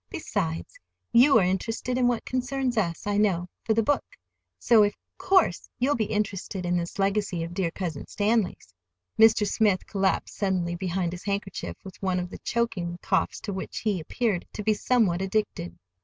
"Besides, you are interested in what concerns us, I know—for the book; so, of course, you'll be interested in this legacy of dear Cousin Stanley's." Mr. Smith collapsed suddenly behind his handkerchief, with one of the choking coughs to which he appeared to be somewhat addicted.